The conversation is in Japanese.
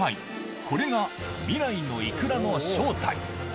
これが未来のいくらの正体。